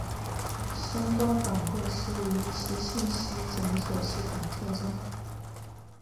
相关反馈是一些信息检索系统的特征。